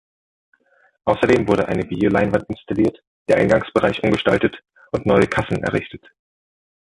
Außerdem wurde eine Videoleinwand installiert, der Eingangsbereich umgestaltet und neue Kassen errichtet.